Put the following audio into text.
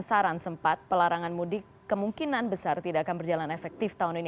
saran sempat pelarangan mudik kemungkinan besar tidak akan berjalan efektif tahun ini